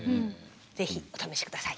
是非お試し下さい。